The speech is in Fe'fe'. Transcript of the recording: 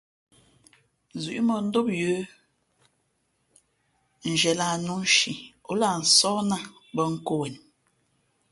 Zʉ̌ʼ mᾱndóm yə̌ nzhie lah nnū nshi ǒ lah nsóhnā bᾱ nkō wen.